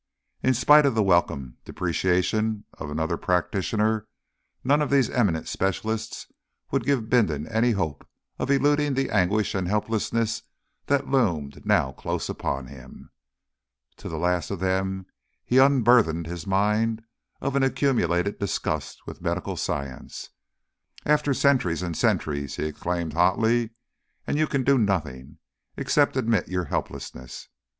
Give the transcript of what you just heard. In spite of the welcome depreciation of another practitioner, none of these eminent specialists would give Bindon any hope of eluding the anguish and helplessness that loomed now close upon him. To the last of them he unburthened his mind of an accumulated disgust with medical science. "After centuries and centuries," he exclaimed hotly; "and you can do nothing except admit your helplessness.